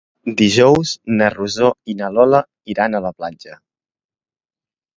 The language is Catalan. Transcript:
Dijous na Rosó i na Lola iran a la platja.